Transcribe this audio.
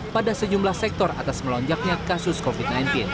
pada sejumlah sektor atas melonjaknya kasus covid sembilan belas